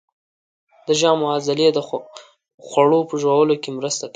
د ژامو عضلې د خوړو په ژوولو کې مرسته کوي.